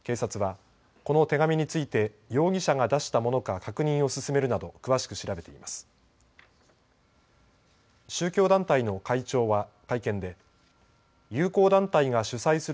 警察はこの手紙について容疑者が出したものか確認を進めるなど詳しく調べています。